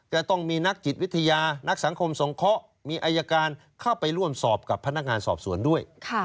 จะต้องมีนักจิตวิทยานักสังคมสงเคราะห์มีอายการเข้าไปร่วมสอบกับพนักงานสอบสวนด้วย